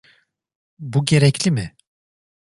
Bu gerekli mi?